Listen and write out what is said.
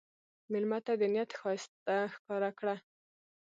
مېلمه ته د نیت ښایست ښکاره کړه.